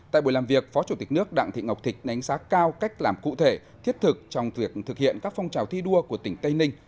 tại buổi làm việc phó chủ tịch nước đặng thị ngọc thịnh đánh giá cao cách làm cụ thể thiết thực trong việc thực hiện các phong trào thi đua của tỉnh tây ninh